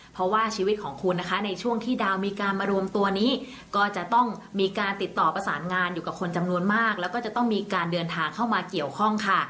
เพราะว่าชีวิตของคุณนะคะในช่วงที่ดาวมีการมารวมตัวนี้ก็จะต้องมีการติดต่อประสานงานอยู่กับคนจำนวนมากแล้วก็จะต้องมีการเดินทางเข้ามาเกี่ยวข้องค่ะ